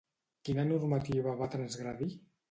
Quina normativa va transgredir?